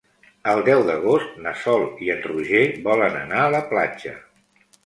El deu d'agost na Sol i en Roger volen anar a la platja.